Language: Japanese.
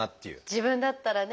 自分だったらね。